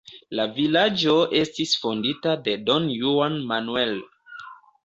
La vilaĝo estis fondita de Don Juan Manuel.